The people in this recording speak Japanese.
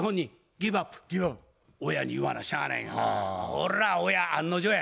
ほら親案の定や。